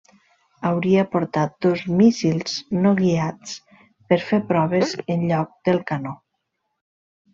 Hauria portat dos míssils no guiats per fer proves en lloc del canó.